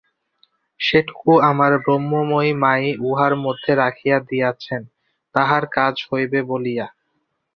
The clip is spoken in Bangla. সেটুকু আমার ব্রহ্মময়ী মা-ই উহার মধ্যে রাখিয়া দিয়াছেন, তাঁহার কাজ হইবে বলিয়া।